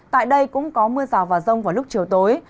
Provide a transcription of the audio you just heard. tại đây cũng có mưa rào và rông vào lúc chiều tối